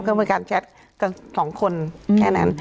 ก็เป็นการแชทกัน๒คนแค่นั้น